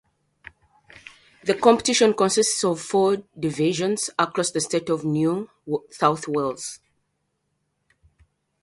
The competition consists of four divisions across the state of New South Wales.